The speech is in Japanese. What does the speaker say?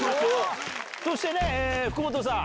そして福本さん。